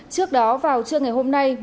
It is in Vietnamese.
trước đó vào trưa ngày hôm nay